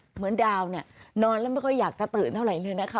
เหมือนดาวเนี่ยนอนแล้วไม่ค่อยอยากจะตื่นเท่าไหร่เลยนะคะ